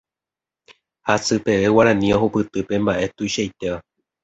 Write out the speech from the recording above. Hasy peve Guarani ohupyty pe mbaʼe tuichaitéva.